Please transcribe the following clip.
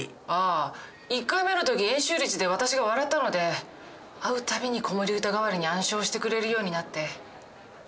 ああ１回目の時円周率で私が笑ったので会う度に子守歌代わりに暗唱してくれるようになって。